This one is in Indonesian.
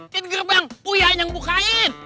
di gerbang u yang bukain